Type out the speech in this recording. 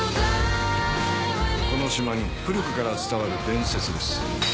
「この島に古くから伝わる伝説です」